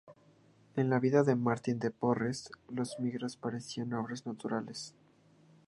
En la vida de Martín de Porres los milagros parecían obras naturales.